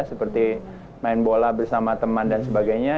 seperti main bola bersama teman dan sebagainya